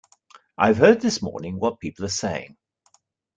I have heard this morning what people are saying.